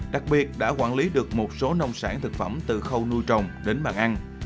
đặc biệt đã quản lý được một số nông sản thực phẩm từ khâu nuôi trồng đến bàn ăn